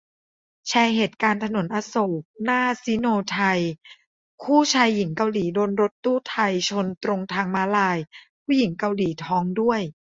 แชร์เหตุการณ์ถนนอโศกหน้าซิโนไทย คู่ชายหญิงเกาหลีโดนรถตู้ไทยชนตรงทางม้าลาย ผู้หญิงเกาหลีท้องด้วย